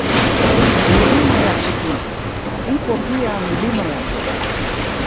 Milima ya Chituntu ipo pia Milima ya Chocha